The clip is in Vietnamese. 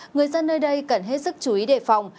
người dân nơi đây cần hết sức chú ý đề phòng